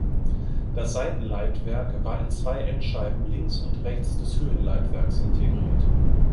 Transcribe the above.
Das Seitenleitwerk war in zwei Endscheiben links und rechts des Höhenleitwerks integriert.